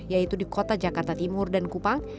yaitu di kota jakarta timur dan kupang